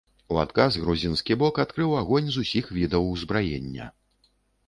У адказ грузінскі бок адкрыў агонь з усіх відаў узбраення.